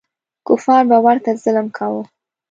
کفار به ورته ظلم کاوه.